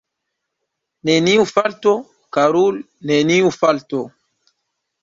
Neniu falto, karul’, neniu falto!